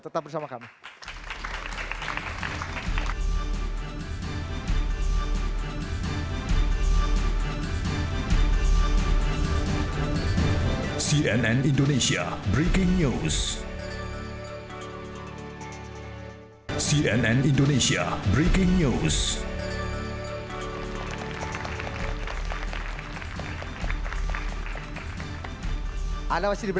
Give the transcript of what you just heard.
tetap bersama kami